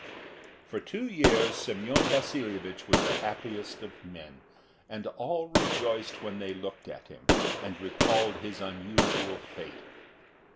For two years Semyon Vasilyevich was the happiest of men, and all rejoiced when they looked at him, and recalled his unusual fate.